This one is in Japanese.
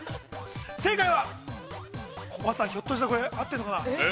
正解は、コバさん、ひょっとしたら、合ってるのかなあ。